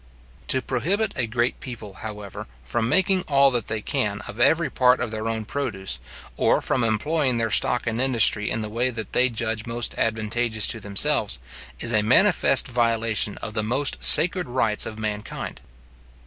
To prohibit a great people, however, from making all that they can of every part of their own produce, or from employing their stock and industry in the way that they judge most advantageous to themselves, is a manifest violation of the most sacred rights of mankind.